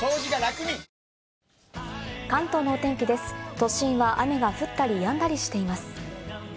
都心は雨が降ったりやんだりしています。